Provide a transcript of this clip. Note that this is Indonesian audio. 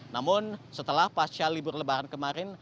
namun setelah pasca libur lebaran kemarin